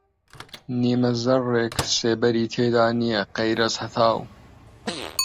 نیمە زەڕڕێک سێبەری تێدا نییە غەیرەز هەتاو